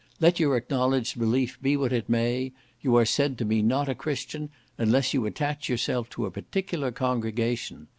Let your acknowledged belief be what it may, you are said to be not a Christian, unless you attach yourself to a particular congregation.